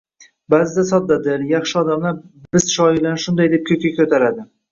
Baʼzida soddadil, yaxshi odamlar bizshoirlarni shunday deb koʻkka koʻtaradi